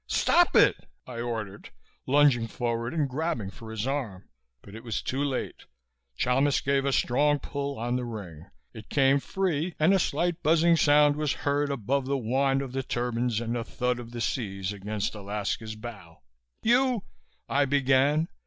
"Stop it!" I ordered, lunging forward and grabbing for his arm. But it was too late. Chalmis gave a strong pull on the ring. It came free and a slight buzzing sound was heard above the whine of the turbines and the thud of the seas against Alaska's bow. "You " I began.